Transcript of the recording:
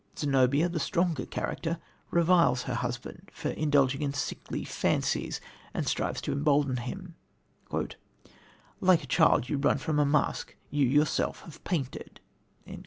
Zenobia, the stronger character, reviles her husband for indulging in sickly fancies and strives to embolden him: "Like a child you run from a mask you have yourself painted."